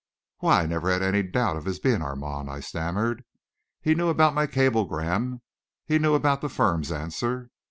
"Why, I never had any doubt of his being Armand," I stammered. "He knew about my cablegram he knew about the firm's answer...."